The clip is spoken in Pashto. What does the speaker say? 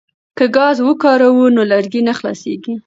که ګاز وکاروو نو لرګي نه خلاصیږي.